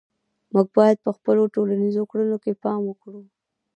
موږ باید په خپلو ټولنیزو کړنو کې پام وکړو.